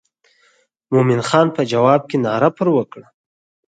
مومن خان په جواب کې ناره پر وکړه.